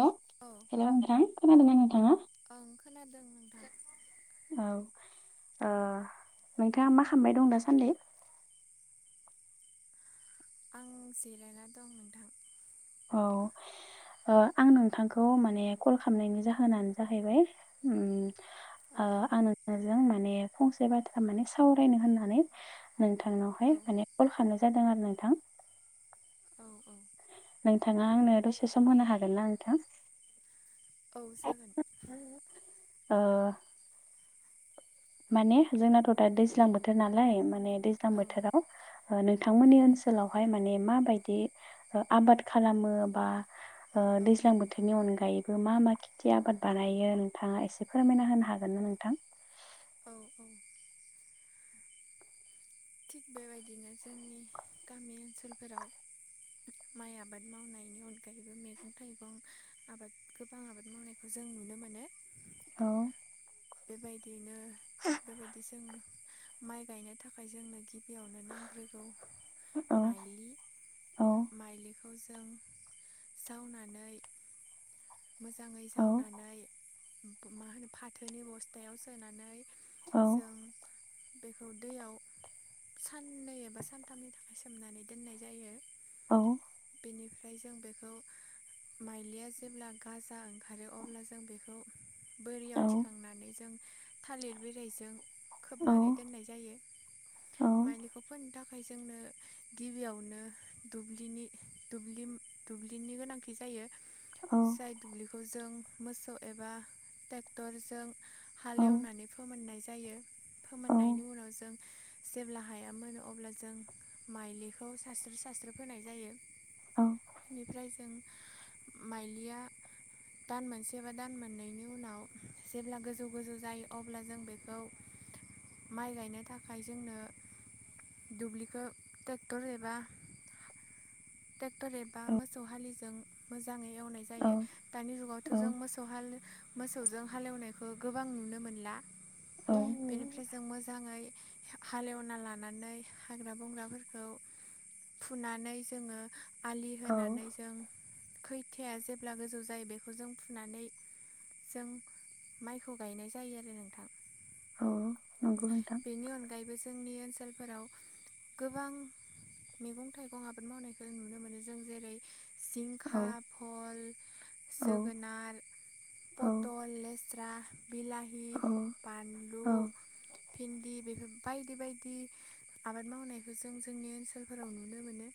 हेल' औ हेल' नोंथां खोनादों आ नोंथाङा। ओं खोनादों नोंथां। औ नोंथाङा मा खालामबाय दं दासान्दि। आं जिरायना दं नोंथां। औ। आं नोंथांखौ माने कल खालामनायनि जाहोनानो जाहैबाय औ आं नोंथांजों माने फंसे बाथा माने सावरायनो होननानै औ नोंथांनावहाय माने कल खालामनाय जादों आरो नोंथां। औ औ नोंथाङा आंनो दसे सम होनो हागोन ना नोंथां। औ जागोन। [inaudible] माने जोंनाथ' दा दैज्लां बोथोर नालाय माने दैज्लां औ बोथोराव औ नोंथांमोननि नोंथां ओनसोलावहाय माने माबायदि आबाद खालामो बा औ दैज्लां बोथोरनि अनगायै बे मा मा खेथि आबाद बानायो नोंथाङा एसे फोरमायना होनो हागोन ना नोंथां। औ औ। थिग बेबायदिनो जोंनि गामि ओनसोलफोराव माइ आबाद मावनायनि अनगायैबो मैगं थाइगं आबाद गोबां आबाद मावनायखौ जों नुनो मोनो औ। बेबायदिनो थिग बेबायदि जों माइ गायनो थाखाय जोंनो गि बेयावनो नांग्रोगौ औ माइलि औ माइलिखौ खौ जों जावनानै मोजाङै औ जावनानै मा होनो फाथोनि बस्थायाव सोनानै जों बे। बे खौ दैयाव साननै एबा सानथामनि थाखाय सोमनानै दोननाय जायो। औ। बेनिफ्राय जों बेखौ माइलिया जेब्ला गाजा ओंखारो अब्ला जों बेखौ औ बोरियाव थिखांनानै जों थालिर बिलाइजों औ खोबनानै दोननाय जायो औ माइलिखौ फोनो थाख खाय जोंनो गिबियावनो दुब्लिनि दुब्लिम दुब्लिनि गोनांथि जायो। बियो औ जाय दुब्लिखौ जों मोसौ एबा ट्रेक्टरजों औ हालेवनानै फोमोननाय जायो। फोमोननायनि उनाव जों जेब्ला हाया मोनो अब्ला जों माइलिखौ सास्रो सास्रो फोनाय जायो बेनिफ्राय जों माइलि दान मोनसे बा दान मोननैनि उनाव जेब्ला गोजौ गोजौ जायो अब्ला जों बेखौ माइ गायनो थाखाय जोंनो दुब्लिखो ट्रेक्टर एबा टेक्टर एबा मोसौ हालिजों मोजाङै हेव नाय जायो दानि जुगावथ' औ जों मोसौ हाल मोसौजों हालेवनाय गोबां नुनो मोनला बेनिफ्राय जों मोजाङै हालेवना लानानै हाग्रा बंग्राफोरखौ फुनानै जोङो आलि औ होनानै जों खैथाया जेब्ला गोजौ जायो बेखौ जों फुनानै जों माइखौ गायनाय जायो आरो नोंथां। औ। नंगौ नोंथां बेनि अनगायैबो जोंनि ओनसोलफोराव गोबां मैगं-थाइगं आबाद मावनायखौ नुनो मोनो जों जेरै औ जिंखा भल औ जोगोनार औ पटल लेस स्रा बिलाहि, बानलु [inaudible] भिन्दि बेफोर बायदि बायदि आबाद मावनायखौ जों जोंनि ओनसोलफोराव नुनो मोनो।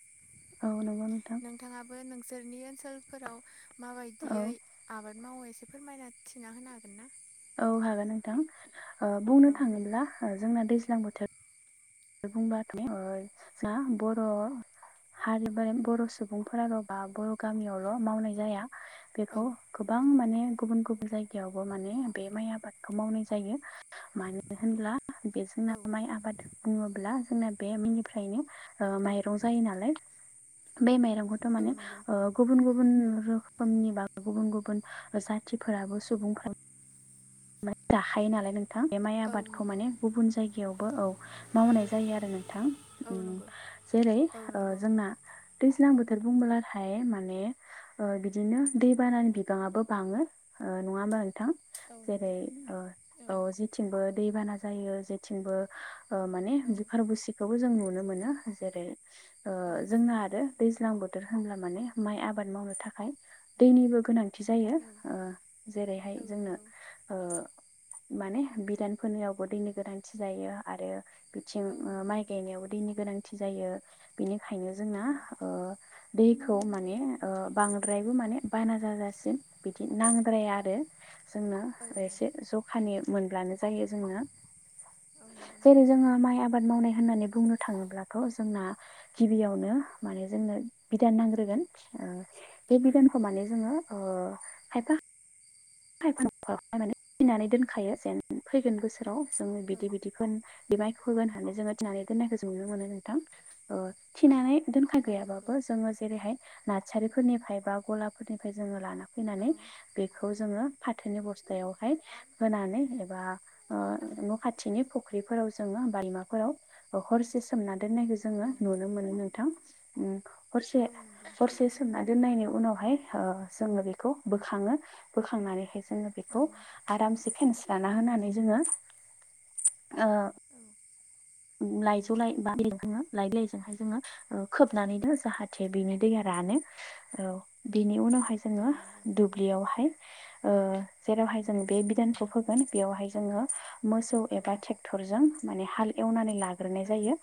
औ नंगौ नोंथां। सोरनि ओनसोलफोराव औ माबायदियै आबाद मावो एसे फोरमायना थिना होनो हागोन ना? औ हागोन नोंथां ओ औ बुंनो थाङोब्ला ओ जोंना दैज्लां बोथोर बुंबाथ' ओ जा बर' हारि बा बर' सुबुंफोराल' बा बर' गामियावल' मावनाय जाया। औ बेखौ गोबां माने गुबुन गुबुन जायगायावबो माने बे माइ आबाद खौ मावनाय जायो मानो होनब्ला बे औ जोंना माइ आबाद ब्ला जोंना बे मिनिफ्रायनो ओ औ माइरं जायो नालाय। बे माइरंखौथ' औ माने नंगौ ओ गुबुन गुबुन रोखोमनि बा गुबुन गुब बुन जाथिफोराबो सुबुंफो मे जाखायो नालाय नोंथां बे माइ औ आबादखौ नंगौ माने गुबुन जायगायावबो औ। मावनाय जायो आरो नोंथां औ उम नंगौ जेरै औ ओ नंगौ जोंना दैज्लां बोथोर बुंबोलाहाय माने ओ बिदिनो दै बानानि बिबाङाबो बाङो। ओ नङा होमबा नोंथां? औ जेरै नंगौ ओ औ जेथिंबो दैबाना जायो जेथिंबो ओ माने औ बुखार बुसिखौबो जों नुनो मोनो जेरै ओ औ नंगौ जोंना आरो दैज्लां बो थोर होनब्ला माने माइ आबाद मावनो थाखाय दैनिबो गोनां थि जायो औ ओ जेरैहाय औ जोंनो नंगौ औ नंगौ ओ माने बिरान फोनायावबो दैनि गोनांथि जायो आरो बिथिं औ माइ गायनायावबो दैनि गोनां थि जायो बिनिखायनो जोंना ओ दैखौ माने ओ बांद्रायबो मा माने बाना जाजासिम बिदि नांद्राया आरो। जोंनो औ एसे नंगौ जखानि मोनब्लानो जायो जोंनो। औ नंगौ जेरै नोंथां जोङो माइ आबाद मावनाय होननानै बुंनो थाङोब्लाथ' जोंना गिबियावनो माने जोंनो- बिधान नांग्रोगोन ओ बे औ औ बिधानखौ माने जोङो ओ खायफा खायफा माने थिनानै दोनखायो जेन फैगोन बोसोराव जोंङो बिदि औ बिदि [unintelligible] होगोन होननानै जोङो थिनानै दोन नायखौ नुनो मोनो नोंथां ओ थिनानै दोनखाय औ नंगौ गैयाबाबो जोङो जेरैहाय नार्सारिफोरनिफ्राय बा गलाफोरनिफ्राय जोङो लाना औ फैनानै बेखौ जोङो फाथोनि बस्थायावहाय होनानै एबा ओ औ न' खाथिनि फुख्रिफोराव जो ओ बारिमाफोराव हरसे सोमनानै दोननायखौ जोङो औ नुनो मोनो नोंथां औ नंगौ हरसे-हरसे सोमना दोननायनि उनावहाय ओ जोङो बेखौ बोखाङो बोखांनानै जोङो औ नंगौ बेखौ आरामसे फेनस्राना होनानै जोङो ओ औ लाइजौ लााय बा [unintelligible] लाइ बिलायजों जोङो ओ खोबनानैनो दोनो जाहाथे बेनि दैया रा रानो औ बिनि उनावहाय औ जोङो नंगौ दुब्लियावहाय ओ जेरावहाय जों बे बिधानखौ औ फोगोन बेयावहाय जोङो मोसौ औ एबा ट्रेक्टरजों माने हाल एवनानै लाग्रोनाय औ जायो।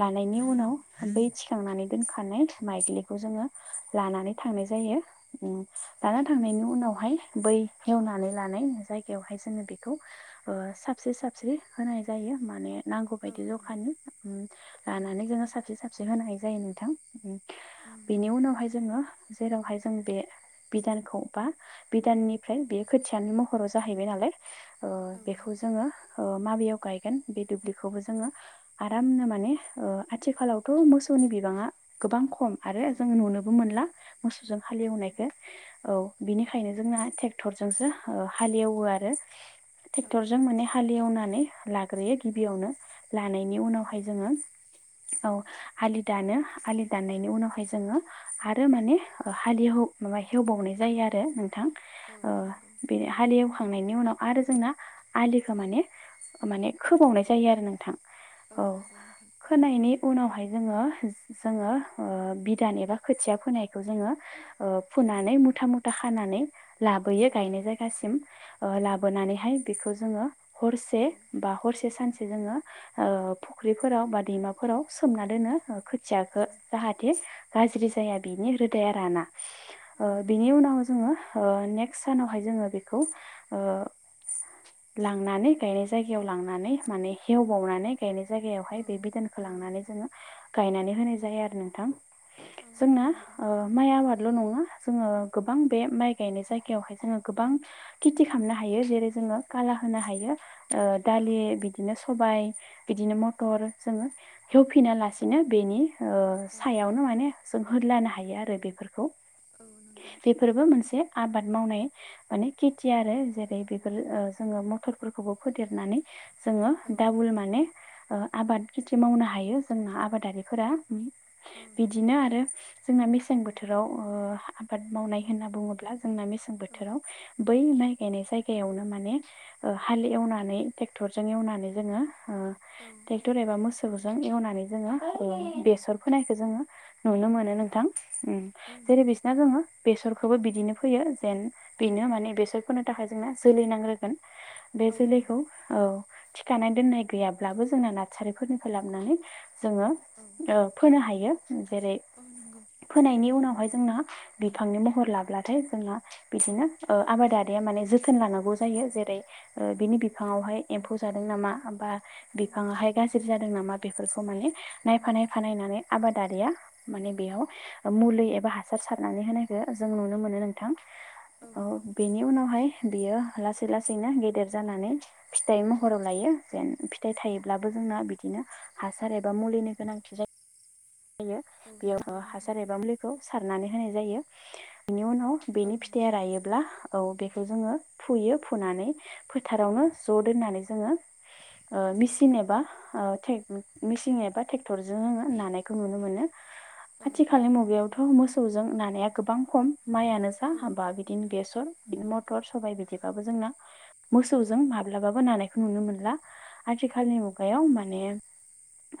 लानायनि औ उनाव बै थिखांनानै दोनखानाय मायलिखौ जोङो लानानै थां नाय जायो उम लाना औ नंगौ थांनायनि उनावहाय बै हेवनानै लानाय जायगायावहाय जोङो बेखौ ओ साबस्रि साबस्रि होनाय जायो। माने नांगौ औ बायदि नंगौ जखानि उम औ लानानै नंगौ नोंथां जोङो साबस्रि साबस्रि होनाय जायो नोंथां उम उम बेनि उनावहाय जोङो जेरावहाय जों बे बिदानखौ बा बिधाननिफ्राय बेयो खोथियानि महराव जाहैबाय नालाय ओ औ बेखौ नंगौ जोङो ओ माबेयाव गाय गोन बे द्लिखौ जोङो आरामनो मने आथिखालावथ' मोसौनि बिबाङा गोबां ख खम औ आरो जों नुनोबो मोनला मोसौजों औ नंगौ हालेवनायखौ औ बिनिखायनो जोंना ट्रेक्टरजोंसो हालेवो आरो औ नंगौ औ नंगौ औ ट्रेक्टर जों माने हालएवनानै लाग ग्रोयो गिबियावनो लानायनि उनावहाय जोङो औ आलि दानो आलि दाननायनि उनावहाय जोङो आरो माने हलि ज न नंगौ फखांनायनि उनाव आरो जोंना आलिखौ माने माने खोबावनाय जायो आरो नोंथां। औ नंगौ नोंथां खोनायनि उनावहाय जोङो जोङो ओ बिधान एबा खोथिया फोनायखौ जोङो ओ फोनानै मो मुथा मुथा खानानै औ लाबोयो गायनाय जायगासिम ओ औ नंगौ लाबोनानैहाय बेखौ जोङो हरसे औ बा हरसे सानसे जोङो ओ फुख्रिफोराव बा दैमाफोराव सोमना दोनो ओ खोथियाखो जाहाथे गाज्रि जाया बिनि रोदाया राना ओ औ नंगौ बिनि उनाव जोङो ओ नेक्स सानावहाय जोङो बेखौ ओ लांनानै गायनाय जायगायाव लां नानै माने हवबावनै गानाय औ जायगायावहाय बे बिधानखौ लांनानै जोङो गायनानै होनाय जायो आरो नोंथां औ जोंना नंगौ नोंथां ओ माइ आबाद ल' नङा जोङो गोबां बे माइ गायनाय जायायावहाय जोङो गोबां खेथि खालामनो हायो जेरै जों जोङो काला होनो हायो ओ दालि औ बिदिनो स सबाय बिदिनो मटर जोङो हेवफिना लासिनो बिनि ओ औ सायावनो माने जों होलानो हायो आरो बेफोरखौ बेफोरबो मोनसे आबाद मावनाय माने खेथि आरो जेरै बेफोर ओ जोङो मथरफोरखौबो फेदेरनानै जोङो नंगौ औ नंगौ औ दाबुल माने ओ आबाद खेथि मावनो हायो जोंना आबादारिफोरा बिदिनो आरो जोंना मेसें बोथोराव ओ आबाद मावनाय होनना बुङोब्ला जोंना मेसें बोथोराव बै माइ गायनाय जायगायावनो माने हाल एवनानै ट्रेक्टरजों एवनानै जोङो ओ ट्रेक्टर एबा मोसौ सौजों एवनानै जोङो ओ बेसर फोनायखौ जोङो नुनो मोनो नोंथां औ उम जेरै नंगौ बिसिना दोङो बेसरखौबो बिदिनो फैयो जेन बेनो माने बेसर फोनो थाखाय जोंना जोलै नांग्रोगोन बे औ नंगौ जोलैखौ औ थिखानाय दोननाय गैयाब्लाबो जोंना नारसारिफोरनिफ्राय लाबोनानै जोङो औ फोनो हायो जेरै नंगौ फोनायनि उनावहाय जोंना बिफांनि महर लाब्लाथाय जोंना औ बिदिनो आबादारिया माने जोथोन लानांगौ जायो जेरै बिनि बिफांयावहाय एम्फौ जादों नामा बा औ नंगौ बिफांहाय नोंथां गाज्रि जादों नामा बेफोरखौ माने नायफा नायफा नायनै आबादारिया माने बेयाव मुलि एबा हासार सारनानै होनायखौ जों नुनो मोन मोनो नोंथां औ नंगौ नोंथां बेनि उनावहाय बियो लासै - लासैनो गेदेर जानानै फिथाइ औ महराव लायो जेन फिथाइ औ थायोब्लाबो जोंना बिदिनो हासार एबा मुलिनि गोनांथि जायो औ बेयाव नंगौ नोंथां हासार एबा मुलिखौ सारनानै होनाय जायो बेनि उनाव औ बेनि नंगौ फिथाइया रायोब्ला औ बे ज फुयो फुनानै फोथारावनो ज दोननानै जोंयो ओ मिसिन एबा टेग मिसिं एबा टेगटरजों जों नानाय खौ नुनो मोनो औ आथिखालनि नंगौ मुगायावथ' मोसौजों नानाया गोबां खम मायानो जा औ हाबा नंगौ बिदिनो नोंथां बेसर बिदिनो मटर सबाय बिदिबाबो जोंना मोसौ जों माब्लाबाबो नानायखौ नुनो मोनला आथिखालनि मुायाव औ माने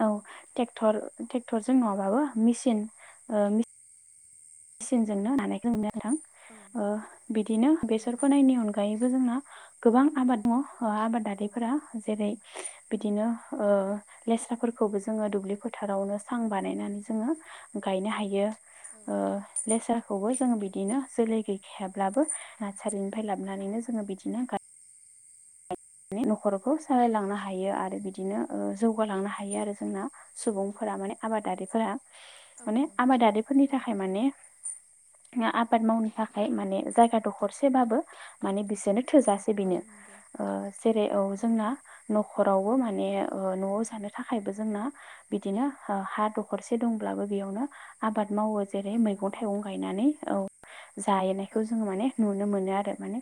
औ ट्रेक्टरजों नङाबाबो मिसिनन मेसिनजोंनो नायखौ नों औ बिदिनो बेसर नंगौ फोनायनि नोंथां अनगायैबो जोङो गोबां आबाद दङ औ आबादारिफोरा जेरै बिदिनो लेस्राफोर खौबो जोङो दुब्लि फोथारावनो सां बानायनानै जोङो गायनो हायो औ ओ लेसारखौबो औ जोङो नंगौ बिदिनो जोलै गैखायाब्लाबो नार्सारिनिफ्राय लाबोनानैनो जोङो बिदिनो गा मे नखरखौ सालायलांनो हायो आरो बिदिनो जौगालांनो हायो आरो जोंना सुबुंफोर मे आबफोरा औ माने नंगौ आबादारिफोरनि औ थाखाय माने आबाद मावनो थाखाय माने जायगा दखरसेबाबो माने बिसोरनो थोजासे बेनो नंगौ ओ जेरै औ जोंना न'खर आवबो मानो न'आव जानो थाखाय जोंना बिदिनो हा दखरसे दंब्ला बेयावनो आबाद आबाद मावो जेरै औ मैगं नंगौ - थाइगं नोंथां गायनानै औ औ जाहोनायखौ जोङो माने नुनो मोनो आरो माने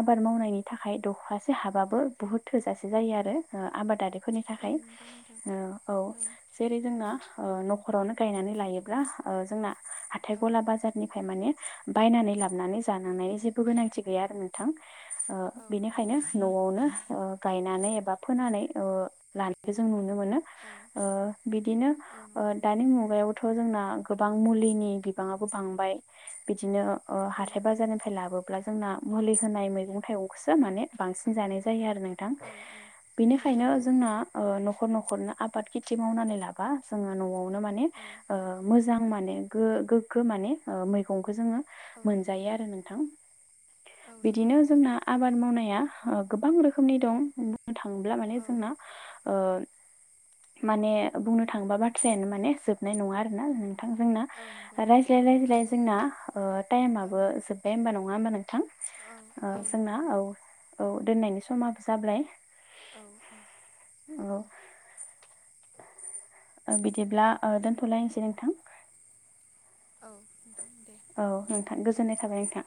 आबाद मावनायनि थाखाय दख्लासे हाबाबो बुहुत थोजासे जायो आरो आबादारि फोरनि औ थाखाय नंगौ नोंथां औ जेरै जोंना नखरावनो गायनानै लायोब्ला जोंना हाथाय, औ गला, बाजारनिफ्राय माने बायनानै लाबानै जानांनायनि जेबो गोनांथि गैया आरो नोंथां औ नंगौ बेनिखायनो नोंथां नआवनो गायनानै एबा फोनानै लानायखौ जों नुनो मोनो औ बिदिनो औ नंगौ दानि मुगायावथ जोंना गोबां मुलिनि बिबाङाबो बांबाय बिदानो औ हाथाय नंगौ बाजारनिफ्राय लाबोब्ला जोंना मुलि होनाय मैगं थाइगंखौसो माने बांसिन जानाय जायो आरो नोंथां औ औ बेनिखायनो औ जोंना नखर न नखरनो आबाद खेथि मावनानै लाबा जोङो न'आवावनो मान मोजां आं माने गो-गोग्गो माने मैगंखौ सोङो औ नंगौ मोनजायो आरो नोंथां औ नंगौ बिदिनो नोंथां जोंना आबाद मावनाया गोबां रोखोमनि दं बुंनो थाङोब्ला माने औ जोंना ओ माने बुंनो थाङोबा बाथ्रायानो माने जोबनाय नङा आरोना नोंथां जोंना औ नंगौ नोंथां रायज्लाय औ रायज्लाय जोंना औ टाइमाबो जोब्बाय हबा नङा होमबा नोंथां? औ जोंना औ औ दोननायनि समाबो जाबाय औ औ। औ बिदिब्ला दोनथ'लायनोसै नोंथां। औ नोंथां दे औ नोंथां गोजोननाय थाबाय नोंथां।